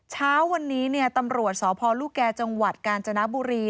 เช้าวันนี้ตำรวจสพลูกแก่จังหวัดกาญจนบุรี